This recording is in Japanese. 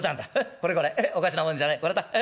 これこれおかしなもんじゃないこれだえ。